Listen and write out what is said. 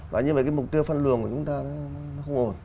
và như vậy cái mục tiêu phân luồng của chúng ta nó không ổn